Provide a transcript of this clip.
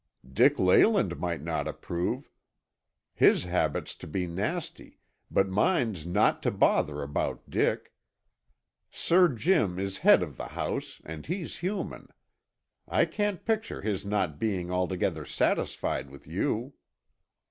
"Dick Leyland might not approve; his habit's to be nasty, but mine's not to bother about Dick. Sir Jim is head of the house and he's human. I can't picture his not being altogether satisfied with you."